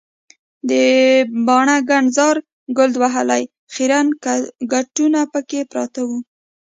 د باڼه ګڼ زاړه ګرد وهلي خیرن کټونه پکې پراته وو.